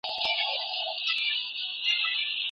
کينه په زړه کي مه ساتئ.